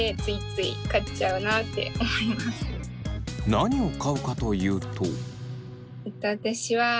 何を買うかというと。